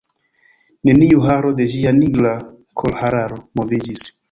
Neniu haro de ĝia nigra kolhararo moviĝis.